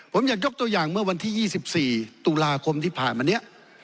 ผมอยากยกตัวอย่างเมื่อวันที่๒๔ตุลาคมที่ผ่านมาเนี่ย